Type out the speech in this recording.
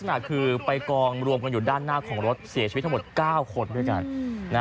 เสียชีวิตทั้งหมด๙คนด้วยกัน